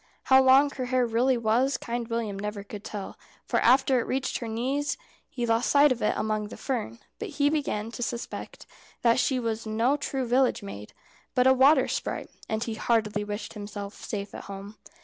How long her hair really was Kind William never could tell, for after it reached her knees he lost sight of it among the fern; but he began to suspect that she was no true village maid, but a water sprite, and he heartily wished himself safe at home.